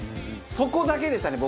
そこだけでしたね